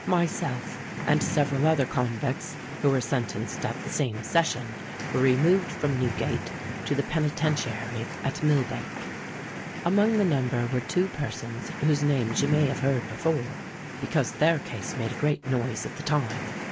"Myself and several other convicts, who were sentenced at the same session, were removed from Newgate to the Penitentiary at Millbank. Amongst the number were two persons whose names you may have heard before, because their case made a great noise at the time.